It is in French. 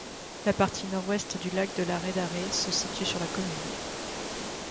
La partie nord-ouest du lac de l'Arrêt-Darré se situe sur la commune.